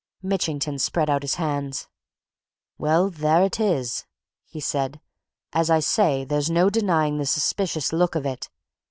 Mitchington spread out his hands. "Well, there it is!" he said. "As I say, there's no denying the suspicious look of it.